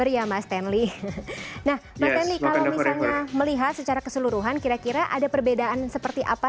nah mas dany kalau misalnya melihat secara keseluruhan kira kira ada perbedaan seperti apa